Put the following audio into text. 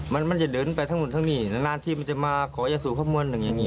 มันจะเดินไปทั้งหนุ่นทั้งหนีนานที่มันจะมาขอเยอะสูงภาพมวลหนึ่งอย่างนี้